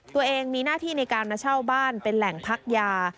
ตัวเองมีหน้าที่ในการมาเช่าบ้านเป็นแหล่งพักยา